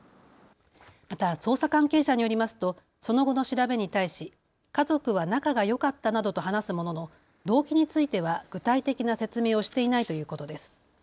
また捜査関係者によりますとその後の調べに対し家族は仲がよかったなどと話すものの動機については具体的な説明をしていないということです。